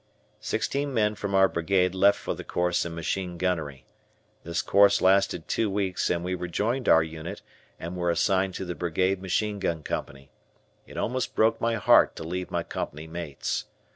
Sixteen men from our brigade left for the course in machine gunnery. This course lasted two weeks and we rejoined our unit and were assigned to the Brigade Machine Gun Company. It almost broke my heart to leave my company mates.